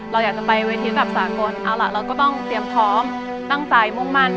เราอยากจะไปเวทีแบบสากลเอาล่ะเราก็ต้องเตรียมพร้อมตั้งใจมุ่งมั่น